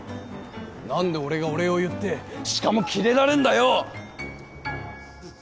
なんで俺がお礼を言ってしかもキレられんだよ！